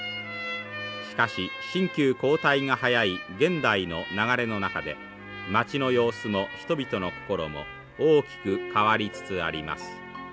しかし新旧交代が早い現代の流れの中で街の様子も人々の心も大きく変わりつつあります。